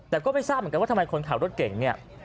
แต่ก็ไม่ทราบเหมือนกันว่าทำไมคนขับรถเก่งเนี่ย